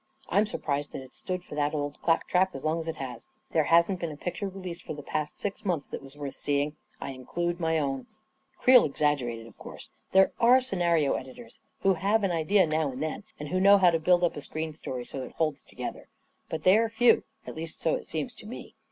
I'm surprised that it's stood for that old clap trap as long as it has ! There hasn't been a picture re leased for the past six months that was worth seeing. I include my own !" Creel exaggerated, of course. There are scena rio editors who have an idea now and then, and who know how to build up a screen story so that it holds together. But they are few — at least so it seems to me.